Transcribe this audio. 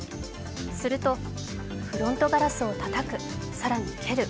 すると、フロントガラスをたたく、更に蹴る。